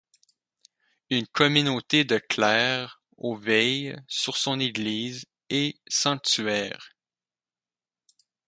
Une communauté de clercs au veille sur son église et sanctuaire.